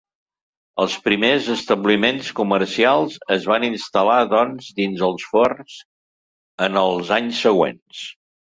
Els primers establiments comercials es van instal·lar doncs dins els forts en els anys següents.